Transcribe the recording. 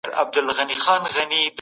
څوک د اعدام د سزا لغوه کول غواړي؟